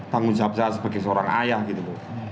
tanggung jawab saya sebagai seorang ayah gitu bu